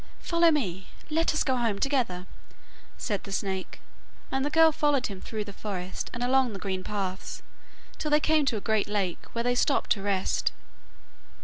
'Follow me, and let us go home together,' said the snake, and the girl followed his through the forest and along the green paths, till they came to a great lake, where they stopped to rest.